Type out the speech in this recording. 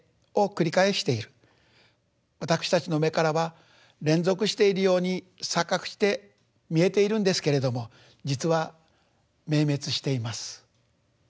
わたくしたちの目からは連続しているように錯覚して見えているんですけれども実は明滅しています。